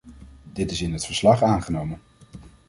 Dit is in het verslag aangenomen.